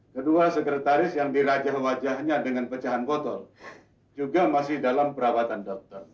kedua sekretaris yang dirajah wajahnya dengan pecahan botol juga masih dalam perawatan dokter